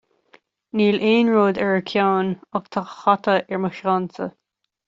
Níl aon rud ar a ceann, ach tá hata ar mo cheannsa